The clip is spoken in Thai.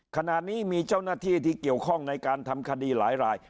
ขณะนี้มีเจ้าหน้าที่ที่เกี่ยวข้องในการทำคดีหลายราย